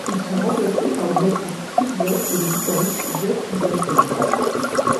Ils sont remplacés par le bassiste Chris Block et le guitariste Jeff Libersher.